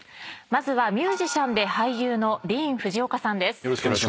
まずはミュージシャンで俳優のディーン・フジオカさんです。